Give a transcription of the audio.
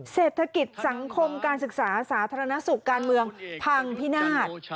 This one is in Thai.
เศรษฐกิจสังคมการศึกษาสาธารณสุขการเมืองพังพินาศ